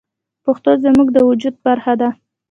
پښتو زموږ د وجود برخه ده.